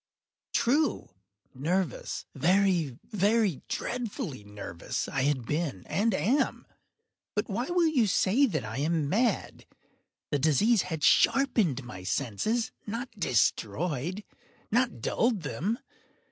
True!—nervous—very, very dreadfully nervous I had been and am; but why will you say that I am mad? The disease had sharpened my senses—not destroyed—not dulled them.